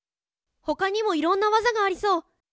他にもいろんな技がありそう。